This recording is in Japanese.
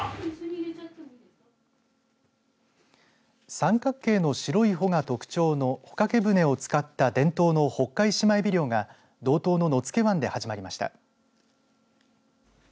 三角形の白い帆が特徴の帆掛け舟を使った伝統のホッカイシマエビ漁が道東の野付湾で始まりました。